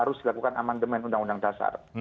harus dilakukan amandemen undang undang dasar